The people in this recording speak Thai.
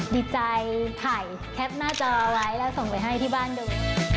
ดีใจถ่ายแคปหน้าจอไว้แล้วส่งไปให้ที่บ้านดู